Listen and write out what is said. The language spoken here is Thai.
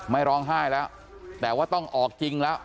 ไม่ร้องไห้แล้วแต่ว่าต้องออกจริงแล้ว